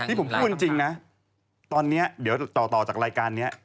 ผมพูดจริงนะตอนนี้เดี๋ยวต่อจากรายการนี้